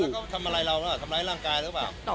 แล้วก็ทำอะไรเราน่ะทำอะไรร่างกายหรือเปล่า